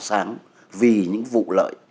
sáng vì những vụ lợi